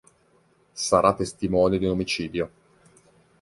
Sarà testimone di un omicidio.